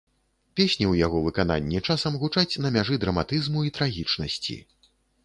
Песні ў яго выкананні часам гучаць на мяжы драматызму і трагічнасці.